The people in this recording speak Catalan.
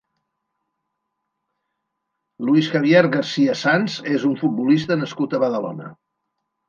Luis Javier García Sanz és un futbolista nascut a Badalona.